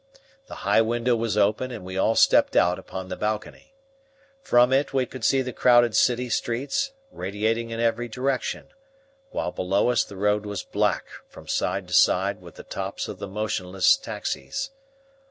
The high window was open and we all stepped out upon the balcony. From it we could see the crowded city streets radiating in every direction, while below us the road was black from side to side with the tops of the motionless taxis.